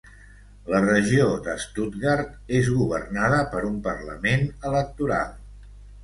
La Regió de Stuttgart és governada per un parlament electoral.